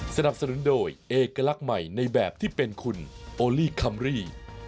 สนับสนุนโดยเอกลักษณ์ใหม่ในแบบที่เป็นคุณโอลี่คัมรี่